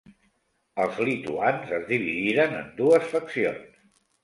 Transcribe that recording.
Els lituans es dividiren en dues faccions.